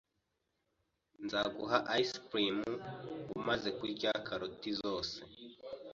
Nzaguha ice cream umaze kurya karoti zose.